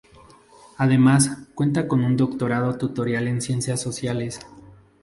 Además, cuenta con un doctorado tutorial en Ciencias Sociales.